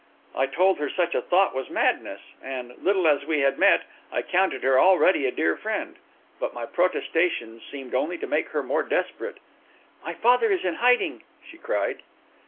I told her such a thought was madness, and, little as we had met, I counted her already a dear friend; but my protestations seemed only to make her more desperate. "My father is in hiding!" she cried.